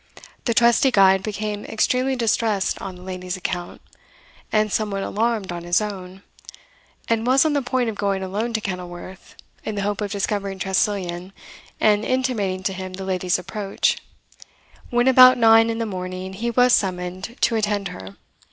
The trusty guide became extremely distressed on the lady's account, and somewhat alarmed on his own, and was on the point of going alone to Kenilworth, in the hope of discovering Tressilian, and intimating to him the lady's approach, when about nine in the morning he was summoned to attend her.